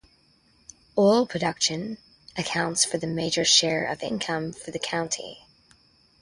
Oil production accounts for the major share of income for the county.